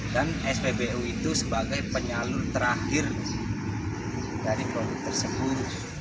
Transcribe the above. dan spbu itu sebagai penyalur terakhir dari produk tersebut